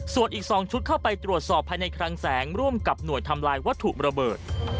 ส่วนอีก๒ชุดเข้าไปตรวจสอบภายในคลังแสงร่วมกับหน่วยทำลายวัตถุระเบิด